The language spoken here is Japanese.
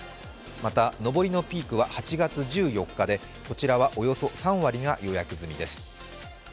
また上りのピークは８月１４日でこちらはおよそ３割が予約済みです